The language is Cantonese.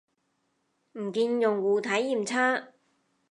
唔見用戶體驗差